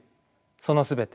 その全て？